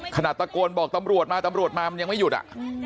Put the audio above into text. ขนาดตะโกนบอกตำรวจมาตำรวจมามันยังไม่หยุดอ่ะ